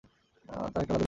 তার একটা আলাদা রুম ছিল।